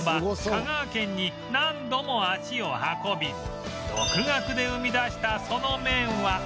香川県に何度も足を運び独学で生み出したその麺は